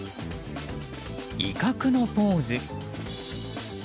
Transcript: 威嚇のポーズ。